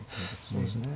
そうですね。